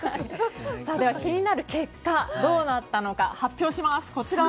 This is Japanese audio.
では、気になる結果どうなったのか発表します。